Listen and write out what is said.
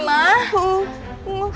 mama ini kenapa sih ma